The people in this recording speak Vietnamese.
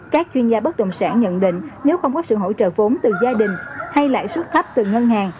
các chuyên gia bất động sản nhận định nếu không có sự hỗ trợ vốn từ gia đình hay lãi suất thấp từ ngân hàng